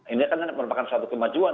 ini kan merupakan suatu kemajuan